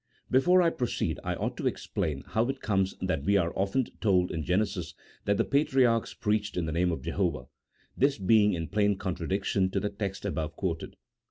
Before I proceed I ought to explain how it comes that we are often told in Genesis that the patriarchs preached in the name of Jehovah, this being in plain contradiction to the text above quoted.